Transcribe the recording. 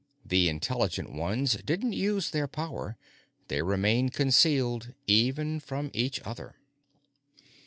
The intelligent ones didn't use their power; they remained concealed, even from each other.